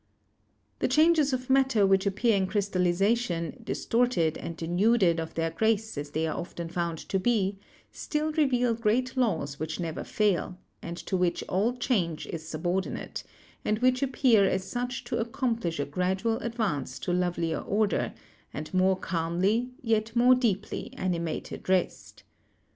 The changes of matter which appear in crystallization, distorted and denuded of their grace as they are often found to be, still reveal great laws which never fail, and to which all change is subordinate, and which appear as such to acomplish a gradual advance to lovelier order, and more calmly, yet more deeply, animated Rest.